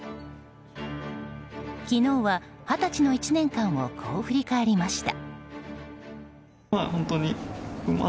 昨日は二十歳の１年間をこう振り返りました。